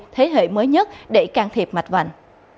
thế hệ mới nhất để can thiệp mạch vạnh